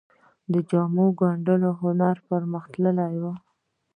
د جامو ګنډلو هنر پرمختللی و